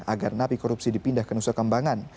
agar napi korupsi dipindah ke nusa kambangan